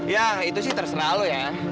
ya itu sih terserah lo ya